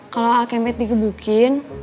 kalau alkemet dikebukin